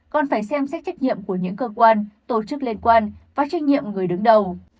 còn phải xem xét trách nhiệm của những cơ quan tổ chức liên quan và trách nhiệm người đứng đầu